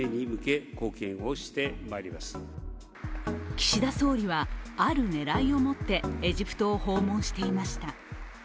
岸田総理は、ある狙いを持ってエジプトを訪問していました。